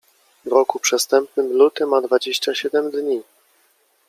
W roku przestępnym luty ma dwadzieścia siedem dni.